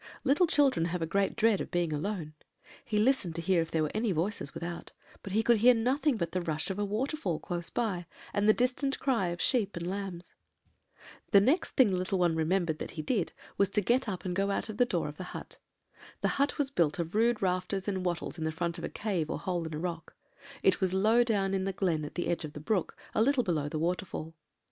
"Little children have great dread of being alone. He listened to hear if there were any voices without, but he could hear nothing but the rush of a waterfall close by, and the distant cry of sheep and lambs. The next thing the little one remembered that he did, was to get up and go out of the door of the hut. The hut was built of rude rafters and wattles in the front of a cave or hole in a rock; it was down low in the glen at the edge of the brook, a little below the waterfall.